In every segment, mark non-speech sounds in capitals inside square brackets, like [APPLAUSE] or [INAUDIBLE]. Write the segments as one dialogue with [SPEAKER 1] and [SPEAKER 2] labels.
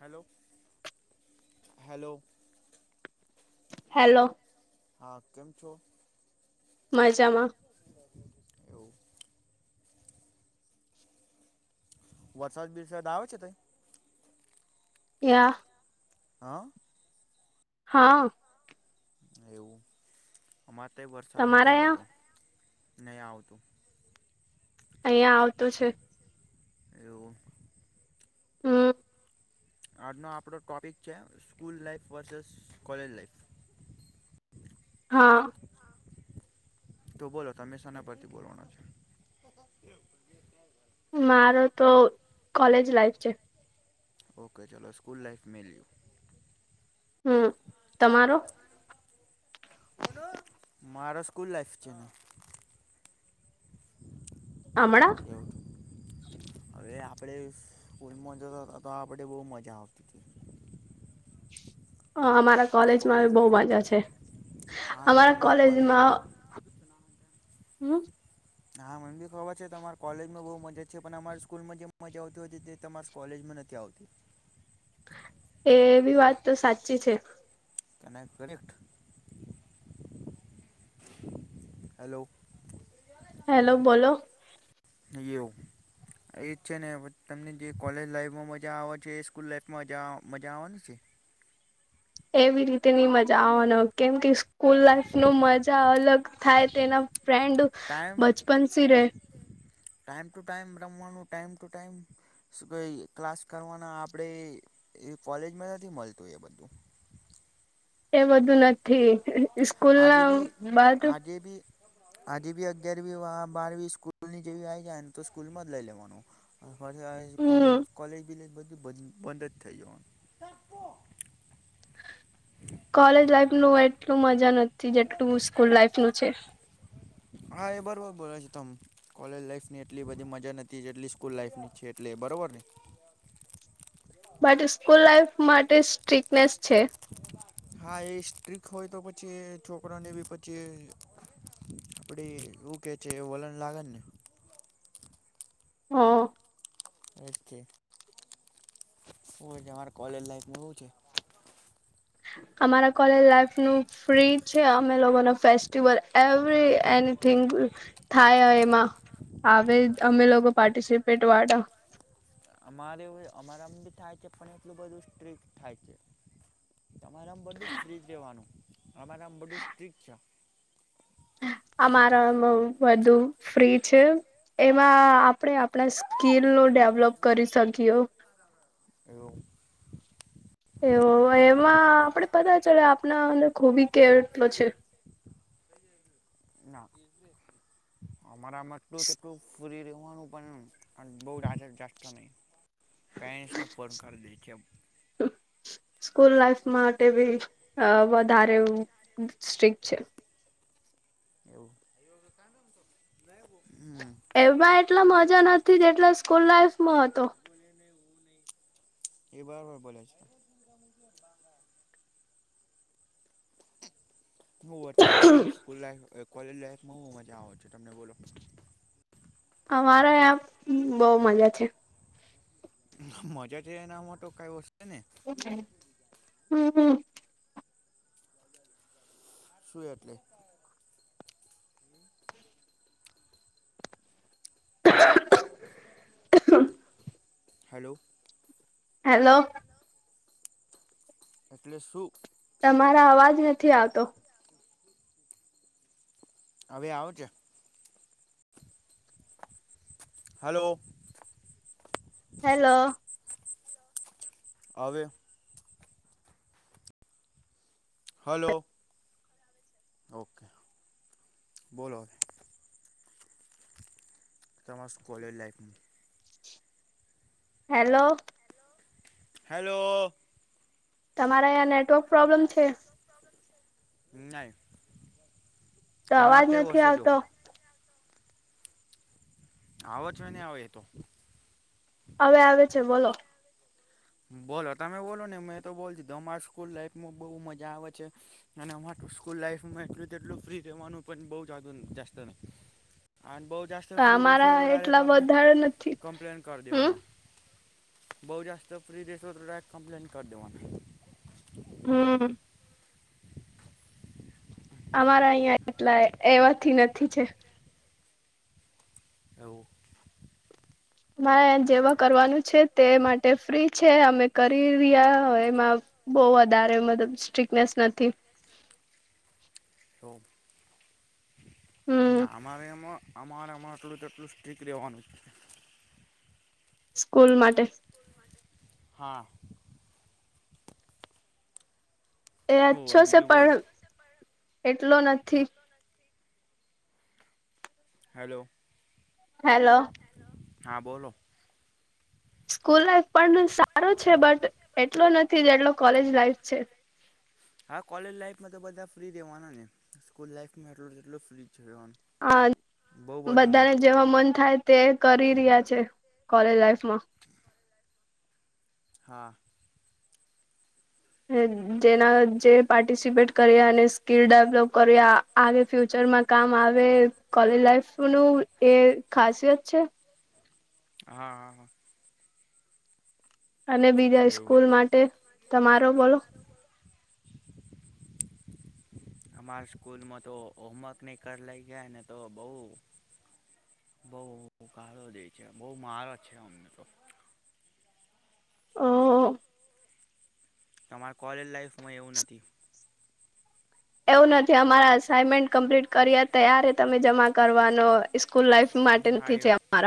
[SPEAKER 1] Hello hello.
[SPEAKER 2] Hello.
[SPEAKER 1] હા કેમ છો?
[SPEAKER 2] મજામાં.
[SPEAKER 1] એવું? વરસાદ બરસાદ આવે છે
[SPEAKER 2] યા.
[SPEAKER 1] હા.
[SPEAKER 2] હા.
[SPEAKER 1] એવું અમારે તો વરસાદ નથી
[SPEAKER 2] તમારા યાં
[SPEAKER 1] આવતો નહી આવતું.
[SPEAKER 2] અહિયાં આવતો છે.
[SPEAKER 1] એવું?
[SPEAKER 2] હમ.
[SPEAKER 1] આજનો આપડો ટોપિક છે school life versus college life.
[SPEAKER 2] હા.
[SPEAKER 1] તો બોલો તમે શાના પરથી બોલવાના છે? [INAUDIBLE]
[SPEAKER 2] મારો તો કોલેજ લાઈફ છે.
[SPEAKER 1] ઓકે ચાલો સ્કૂલ લાઈફ મે લયું.
[SPEAKER 2] હમ તમારો?
[SPEAKER 1] મારો સ્કૂલ લાઈફ છે ન.
[SPEAKER 2] હમણા?
[SPEAKER 1] એવું હવે આપડે [UNINTELLIGIBLE] આપડે બહુ મજા આવતી હતી.
[SPEAKER 2] હ મારા.
[SPEAKER 1] કોલેજ
[SPEAKER 2] કોલેજમાં બહુ મજા છે
[SPEAKER 1] હા એ
[SPEAKER 2] અમારા
[SPEAKER 1] તમારા કોલેજ
[SPEAKER 2] કોલેજમાં. હમ.
[SPEAKER 1] હા મન ભી ખબર છે તમાર કોલેજમાં બહુ મજા છે પણ અમારી સ્કૂલમાં જે મજા આવતી હોય તે તમાર કોલેજમાં નથી આવતી.
[SPEAKER 2] એવી વાતતો સાચી છે.
[SPEAKER 1] Can I correct? Hello.
[SPEAKER 2] Hello બોલો.
[SPEAKER 1] [UNINTELLIGIBLE] એજ છે ને તમને જે કોલેજ લાઈફમાં મજા આવે છે એ સ્કૂલ લાઈફમાં મજા આવવાની છે.
[SPEAKER 2] એવી રીતે ની મજા આવવાનો કેમ કે સ્કૂલ લાઈફ ન મજા અલગ થાય તેના. ફ્રેન્ડ
[SPEAKER 1] ટાઈમ
[SPEAKER 2] બચપન સીરે.
[SPEAKER 1] ટાઈમ ટુ ટાઈમ રમવાનું ટાઈમ ટુ ટાઈમ. શું કઈ ક્લાસ કરવાના આપણે એ કોલેજમાં નથી મળતું હો એ બધું.
[SPEAKER 2] એ બધું નથી સ્કૂલના બાદ.
[SPEAKER 1] જેબી. આજેબી અગિયારમી બારવી સ્કૂલની જેવી આવી જાય ને તો સ્કૂલમાં જ લઈ લેવાનું.
[SPEAKER 2] હમ
[SPEAKER 1] કોલેજ કોલેજ બીલેજ બધું બંધજ થઈ જવાનું.
[SPEAKER 2] કોલેજ લાઈફનું એટલું મજા નથી જેટલું સ્કૂલ લાાઈફનું છે.
[SPEAKER 1] હા એ બરોબર બોલે છે તમ. કોલેજ લાઈફની એટલી બધી મજા નથી એટલી સ્કૂલ લાઈફની છે એટલે બરોબર ને.
[SPEAKER 2] બટ સ્કૂલ લાઈફ માટે સ્ટ્રીકનેસ છે.
[SPEAKER 1] હા એ સ્ટ્રીક હોય તો પછી છોકરાને બી પછી. આપડી એવું કે છે વલણ લાગેને.
[SPEAKER 2] હ.
[SPEAKER 1] એજ છે અમા કોલેજ લાઈફનું એવું છે.
[SPEAKER 2] અમારા કોલેજ લાઈફનું. ફ્રી છે અમે લોકોના ફેસ્ટિવલ એવરી એનિથિંગ. થાય એમાં આવે અમે લોકો પાર્ટિસિપેટ વાળા.
[SPEAKER 1] અમારે અમારામ બી થાય છે પણ એટલું બધું સ્ટ્રીક થાય છે. તમારા માં બધું ફ્રીજ રેવાનું અમાર આમ બધું સ્ટ્રિક છે.
[SPEAKER 2] અમારામાં બધુ ફ્રી છે. એમાં આપણે આપણા સ્કીલ નો ડેવલોપ કરી શકીએ.
[SPEAKER 1] એવ.
[SPEAKER 2] એવ એમાં આપડે પતા ચલે આપના અંદર ખૂબી કે એટલો છે.
[SPEAKER 1] ના અમારામાં આટલું તેટલું. પૂરી રવાનું પણ બહા જસ્તો નહી. પેરેન્ટ્સ ને ફોન કરી દે.
[SPEAKER 2] સ્કૂલ લાઈફ માટે બી વધારે સ્ટ્રિક છે.
[SPEAKER 1] એવું હ.
[SPEAKER 2] એમાં એટલા મજા નથી જેટલા સ્કૂલ લાઈફમાં હતો.
[SPEAKER 1] એ બરાબર બોલે છે. હ હોય તમાર સ્કૂલ સ્કૂલ લાઇફ એ કોલેજ લાઈફમાં હું મજા આવ છું તમને બોલો.
[SPEAKER 2] અમારે આં બહુ મજા છે.
[SPEAKER 1] મજા છે એનામાં તો કઈ વસ્તુ ને.
[SPEAKER 2] હમ હમ.
[SPEAKER 1] શું એટલે.
[SPEAKER 2] [UNINTELLIGIBLE]
[SPEAKER 1] હલો.
[SPEAKER 2] હેલો.
[SPEAKER 1] એટલે શું.
[SPEAKER 2] તમારા અવાજ નથી આવતો.
[SPEAKER 1] હવે આવે છે. હલો.
[SPEAKER 2] હેલો.
[SPEAKER 1] આવે. હલો. ઓકે બોલોરે. તમા કોલેજ લાઈફમાં.
[SPEAKER 2] હેલો.
[SPEAKER 1] હેલો.
[SPEAKER 2] તમારે અહીંયા નેટવર્ક પ્રોબ્લેમ છે?
[SPEAKER 1] નઈ
[SPEAKER 2] તો
[SPEAKER 1] તમાર
[SPEAKER 2] અવાજ
[SPEAKER 1] તા એવુ
[SPEAKER 2] નથી
[SPEAKER 1] હશે જો
[SPEAKER 2] આવતો
[SPEAKER 1] આવો છો ને આવે એ તો
[SPEAKER 2] અવે આવે છે, બોલો
[SPEAKER 1] બોલો તમે બોલો ને મેં તો બોલ તમારી સ્કૂલ લાઈફમાં બો મજા આવે છે. અને અમારતો સ્કૂલ લાઈફમાં એટલું તેટલું ફ્રી રહેવાનું પણ બો જ [UNINTELLIGIBLE] અને બો જાસ્ત ફ્રી રેશો
[SPEAKER 2] અમારા
[SPEAKER 1] [UNINTELLIGIBLE]
[SPEAKER 2] એટલા
[SPEAKER 1] આપણે
[SPEAKER 2] વધારે નથી
[SPEAKER 1] કમ્પ્લેન કરી
[SPEAKER 2] હમ
[SPEAKER 1] દેવાનો બો જાસ્ત ફ્રી રેસોર રા એક કમ્પ્લેન કરડેવાનો
[SPEAKER 2] હમ. અમારા અહંયા એટલા એવાથી નથી છે.
[SPEAKER 1] એવુ
[SPEAKER 2] મારે જેવા કરવાનું છે, તે માટે ફ્રી છે, અમે કરી રહ્યા એમાં બો વધારે મતલબ સ્ટ્રિકનેસ નથી.
[SPEAKER 1] તો
[SPEAKER 2] હમ
[SPEAKER 1] ના અમારે એમ અમારેમ આટલું ટેટલું સ્ટીકટ રહેેવાનું છે.
[SPEAKER 2] સ્કૂલ માટે
[SPEAKER 1] હા.
[SPEAKER 2] એ
[SPEAKER 1] શું
[SPEAKER 2] અચ્છો
[SPEAKER 1] હોય
[SPEAKER 2] છે,
[SPEAKER 1] બીજું બોલો
[SPEAKER 2] પણ એટલો નથી
[SPEAKER 1] હેલો.
[SPEAKER 2] હેલો.
[SPEAKER 1] હા બોલો.
[SPEAKER 2] સ્કૂલ લાઈફ પણ સારો છે, બટ એટલો નથી જેટલો કોલેજ લાઈફ છે.
[SPEAKER 1] હા કોલેજ લાઈફમાં તો બધા ફ્રી રહેેવાના ને સ્કૂલ લાઈફમાં [UNINTELLIGIBLE] એટલો ફ્રી જ રેવાનું
[SPEAKER 2] આ
[SPEAKER 1] બો બધો નહી.
[SPEAKER 2] બધાને જેવા મન થાય તે કરી રહ્યા છે, કોલેજ લાઈફ માં
[SPEAKER 1] હા.
[SPEAKER 2] જેના જે પાર્ટિસિપેટ કર્યા અને સ્કીલ ડેવલપ કર્યા આગે ફ્યુચરમાં કામ આવે કોલેજ લાઈફનું એ ખાસિયત છે.
[SPEAKER 1] હા હા હા.
[SPEAKER 2] અને બીજા
[SPEAKER 1] એવું
[SPEAKER 2] સ્કૂલ માટે તમારો બોલો?
[SPEAKER 1] અમારા સ્કૂલમાં તો હોમવર્ક નહી કરી લઈ ગયા ને તો બો બો ગાળો દે છે, બો મારે છે, અમને તો
[SPEAKER 2] અ
[SPEAKER 1] તમારા કોલેજ લાઈફમાં એવું નથી
[SPEAKER 2] એવું નથી અમારા અસાાઈનમેન્ટ કમ્પ્લીટ કરીએ ત્યારે તમે જમા કરવાનો સ્કૂલ લાઈફ માટે
[SPEAKER 1] હા
[SPEAKER 2] નથી છે,
[SPEAKER 1] એવું
[SPEAKER 2] અમાર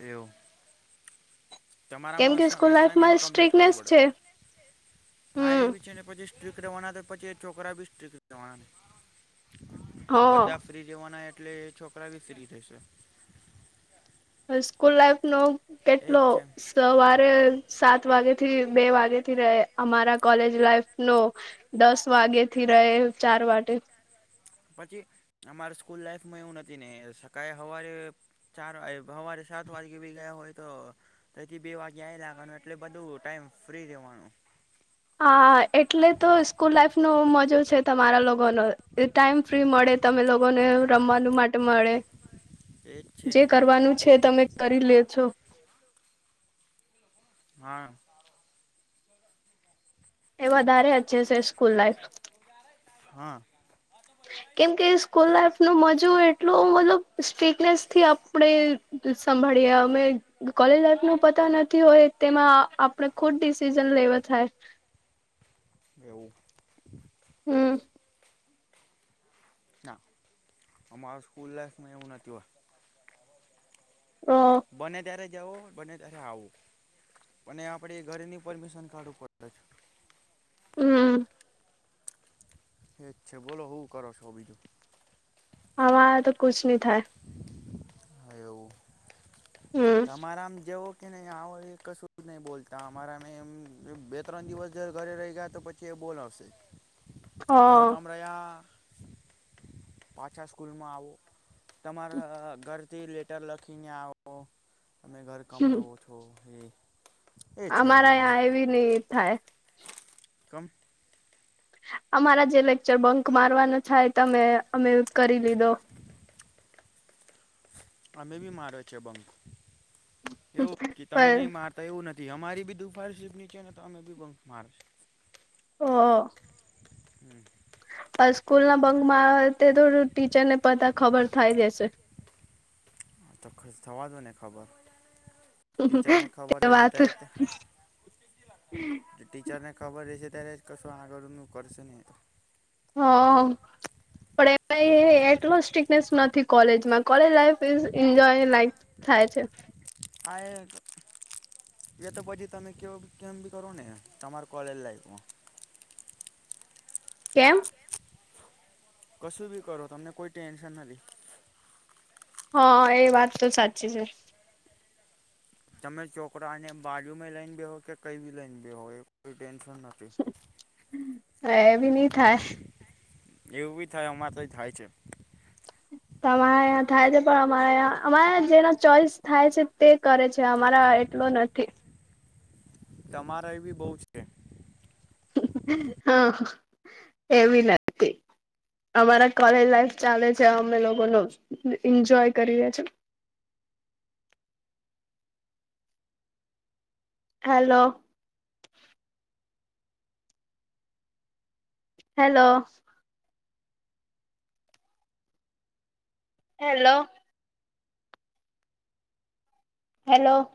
[SPEAKER 1] એવું
[SPEAKER 2] કેમ
[SPEAKER 1] તમારામાં
[SPEAKER 2] કે
[SPEAKER 1] અસા
[SPEAKER 2] સ્કૂલ લાઈફમાં
[SPEAKER 1] અસાઈનમેન્ટ કમ્પલીટ કરવું
[SPEAKER 2] સ્ટ્રીકનેસ છે
[SPEAKER 1] પડે હા
[SPEAKER 2] હમ
[SPEAKER 1] એવી છે, ને પછી સ્ટીક રેવાના પછી છોકરા બી સ્ટિક રેવાનાને
[SPEAKER 2] હ
[SPEAKER 1] બધા ફરી રેવાના એટલે એ છોકરા બી ફ્રી રેશે
[SPEAKER 2] સ્કૂલ લાઈફનો
[SPEAKER 1] એ
[SPEAKER 2] કેટલો
[SPEAKER 1] જ છે
[SPEAKER 2] સવારે સાત વાગે થી બે વાગેથી રહે અમારા કોલેજ લાઈફનો દસ વાગે થી રહે ચાર વાટે
[SPEAKER 1] પછી અમાર સ્કૂલ લાઈફમાં એવું નથી ને સકાયે હવારે ચાર વા અમારે સાત વાગે ભી ગયા હોય તો તેથી બે વાગ્યા આવી લાવાનું એટલે બધું ટાઈમ ફ્રી રહેવાનું
[SPEAKER 2] હા એટલે તો સ્કૂલ લાાઈફનુ મજો છે, તમારા લોકોનો એ ટાઈમ ફ્રી મળે તમે લોકોને રમવાનું માટે મળે.
[SPEAKER 1] એ જ છે
[SPEAKER 2] જે
[SPEAKER 1] ને
[SPEAKER 2] કરવાનું છે તમે કરી લે છો.
[SPEAKER 1] હા.
[SPEAKER 2] એ વધારે અચ્ચે છે સ્કૂલ લાઈફ.
[SPEAKER 1] હા.
[SPEAKER 2] કેમકે સ્કૂલ લાઈફ નું મજું એટલું મતલબ સ્ટ્રીકનેસ થી આપડે. સાંભાળીએ અમે કોલેજ લાઈફ નું. પતા નથી હોય તેમાં આપણે ખુદ ડિસિઝન લેવા થાય.
[SPEAKER 1] એવું.
[SPEAKER 2] હમ્મ.
[SPEAKER 1] ના અમારા સ્કૂલ લાઈફમાં એવું નથી હોતુ.
[SPEAKER 2] હ.
[SPEAKER 1] બને ત્યારે જઓ બને ત્યારે આવુ. અને આપણેે ઘરની પરમિશન કાઢવું પડે છે.
[SPEAKER 2] હમ્મ.
[SPEAKER 1] એ છે બોલો હું કરો છો બીજું.
[SPEAKER 2] અમારા તો કુછ બી થા.
[SPEAKER 1] એવું.
[SPEAKER 2] હમ
[SPEAKER 1] તમારા એમ જેવુ. કે નહી આ કશું જ નહી બોલતા અમારા મેંમ બે ત્રણ દિવસ જ ઘરે રહી ગયા તો પછી કે બોલાવશે. ઘર
[SPEAKER 2] હ
[SPEAKER 1] કામરાયા પાછા સ્કૂલમાં આવું. તમારા ઘરથી લેટર લખીને આવો. તમે ઘર કમ
[SPEAKER 2] હમ
[SPEAKER 1] રહો છો એ. એ છે
[SPEAKER 2] અમારા
[SPEAKER 1] અમારું
[SPEAKER 2] હયા એવી નેવી થાય.
[SPEAKER 1] કમ.
[SPEAKER 2] અમારા જે લેક્ચર બંક મારવાનું થાય તમે અમે કરી લીધો
[SPEAKER 1] [INAUDIBLE] અમે બી મારો છે બંક એવું તમે
[SPEAKER 2] પણ
[SPEAKER 1] નહી માર. તે એવું નથી અમારી બી દુ ફાઈલ સીપ નીચે ને તો અમે બીં બંક માર.
[SPEAKER 2] હ.
[SPEAKER 1] હમ.
[SPEAKER 2] હ સ્કૂલ ના બંગ મારવા થી થોડું ટીચર ને પતા ખબર થાય રેશે.
[SPEAKER 1] હ તો થસ થવા દો ને ખબર. ટીચર ને ખબર
[SPEAKER 2] તે
[SPEAKER 1] રહેશે ત
[SPEAKER 2] વાત હ
[SPEAKER 1] રીતે. ટીચરને ખબર રહેશે ત્યારે જ કશું આગળનું કરશે ને.
[SPEAKER 2] હા. પણ એ એટલો સ્ટકનેસ નથી કોલેજમાં કોલેજ લાઈફ ઇજ એન્જોય લાઈફ થાય છે.
[SPEAKER 1] આ. એ તો પછી તમે કેવ કેમ બી કરો ને તમાર કોલેજ લાઈફમાં
[SPEAKER 2] કેમ.
[SPEAKER 1] કશું બી કરો તમને કોઈ ટેન્શન નથી.
[SPEAKER 2] હા એ વાત તો સાચી છે.
[SPEAKER 1] તમે છોકરાને બાજુમાં લઈને બેહો કે કઈ બી લઈને બેહો એ કોઈ ટેન્શન નથી.
[SPEAKER 2] એ ભી નહિ થાય.
[SPEAKER 1] એવું બી થાય અમારે તો થાય છે.
[SPEAKER 2] તમારા અયાં થાય છે પણ અમારે અમારે જેના ચોઈસ થાય છે. તે કરે છે અમારા એટલો નથી.
[SPEAKER 1] તમારા એ બી બહુ છે.
[SPEAKER 2] હા એવી લાગતી અમારા કોલેજ લાઈફ ચાલે છે અમે લોકો ન એન્જોય કરીએે છે. હલો. હેલો. હેલો. હેલો.